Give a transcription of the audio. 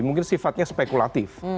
mungkin sifatnya spekulatif